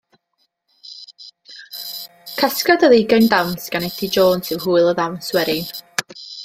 Casgliad o ddeugain dawns gan Eddie Jones yw Hwyl y Ddawns Werin.